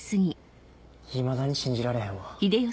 いまだに信じられへんわ。